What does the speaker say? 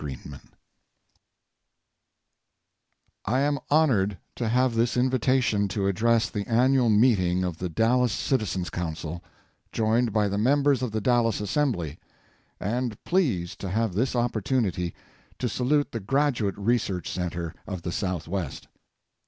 Kennedy November 22, 1963 I am honored to have this invitation to address the annual meeting of the Dallas Citizens Council, joined by the members of the Dallas Assembly ŌĆō and pleased to have this opportunity to salute the Graduate Research Center of the Southwest.